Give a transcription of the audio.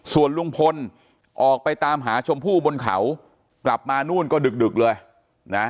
ส่วนลุงพลออกไปตามหาชมพู่บนเขากลับมานู่นก็ดึกเลยนะ